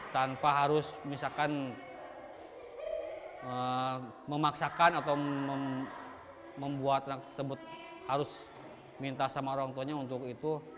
tanpa harus misalkan memaksakan atau membuat anak tersebut harus minta sama orang tuanya untuk itu